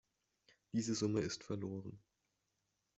Diese Summe ist verloren.